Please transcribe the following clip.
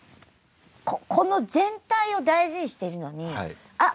ここの全体を大事にしてるのに分かります。